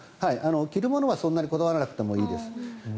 着るものはそんなにこだわらなくてもいいです。